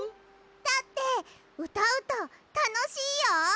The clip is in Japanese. だってうたうとたのしいよ！